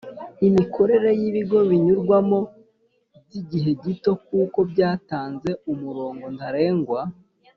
imikorere y ibigo binyurwamo by igihe gito kuko byatanze umurongo ntarengwa